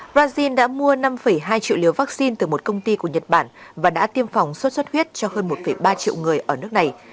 brazil đã mua năm hai triệu liều vaccine từ một công ty của nhật bản và đã tiêm phòng sốt xuất huyết cho hơn một ba triệu người ở nước này